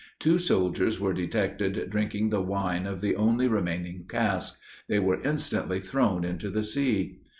Two soldiers were detected drinking the wine of the only remaining cask; they were instantly thrown into the sea.